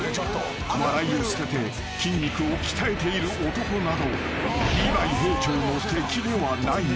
［笑いを捨てて筋肉を鍛えている男などリヴァイ兵長の敵ではないのだ］